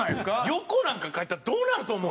横なんか描いたらどうなると思う？